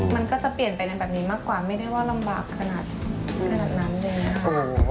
มันก็จะเปลี่ยนไปแบบนี้มากกว่าไม่ได้ว่าลำบากขนาดนั้นเลยนะครับ